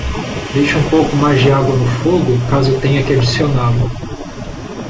Deixe um pouco mais de água no fogo, caso tenha que adicioná-lo.